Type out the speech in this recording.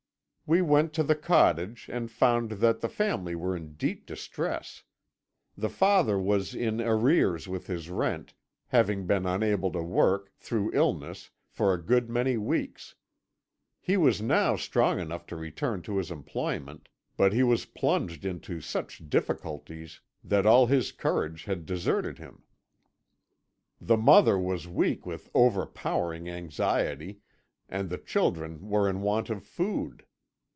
"We went to the cottage, and found that the family were in deep distress. The father was in arrears with his rent, having been unable to work, through illness, for a good many weeks; he was now strong enough to return to his employment, but he was plunged into such difficulties that all his courage had deserted him. The mother was weak with overpowering anxiety, and the children were in want of food.